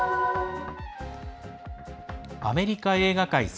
アメリカ映画界